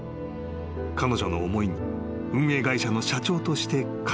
［彼女の思いに運営会社の社長として感謝を伝えたい］